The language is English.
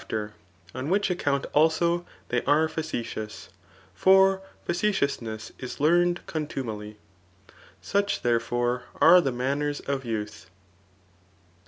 ktighter ; on wluch aacourtf abo the; are facetious } for facetiousoess is learned contUiQ^Iy* S^ch , tHeJrefora 9rQ fhe manners of youth